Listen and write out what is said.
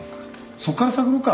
そこから探ろうか。